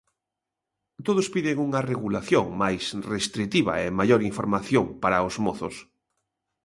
Todos piden unha regulación máis restritiva e maior información para os mozos.